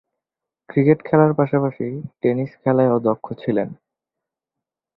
Cricket খেলার পাশাপাশি tennis খেলায়ও দক্ষ ছিলেন।